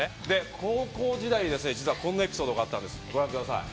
高校時代、実はこんなエピソードがあったんです。